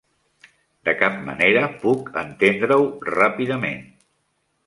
De cap manera puc entendre-ho ràpidament.